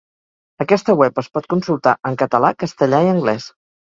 Aquesta web es pot consultar en català, castellà i anglès.